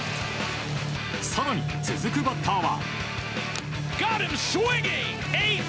更に続くバッターは。